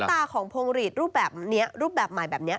ตาของพวงหลีดรูปแบบนี้รูปแบบใหม่แบบนี้